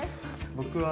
僕は。